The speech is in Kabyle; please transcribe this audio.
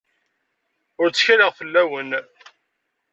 Ur ttkaleɣ fell-awen.